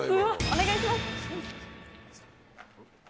お願いします。